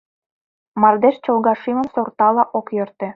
Мардеж чолга шӱмым сортала ок йӧртӧ.